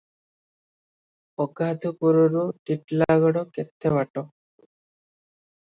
ଅଗାଧୁପୁରରୁ ଟିଟିଲାଗଡ଼ କେତେ ବାଟ?